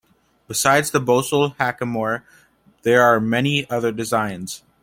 Besides the bosal hackamore, there are many other designs.